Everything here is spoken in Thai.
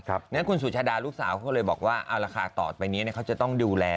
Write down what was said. เพราะฉะนั้นคุณสุชาดาลูกสาวเขาเลยบอกว่าเอาละค่ะต่อไปนี้เขาจะต้องดูแล